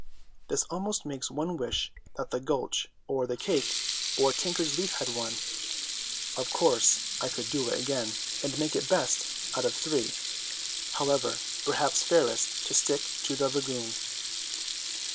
This almost makes one wish that the gulch or the cake or Tink's leaf had won. Of course I could do it again, and make it best out of three; however, perhaps fairest to stick to the lagoon.